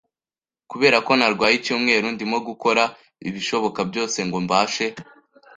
Kubera ko narwaye icyumweru, ndimo gukora ibishoboka byose ngo mbashe.